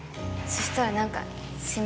そしたら何か。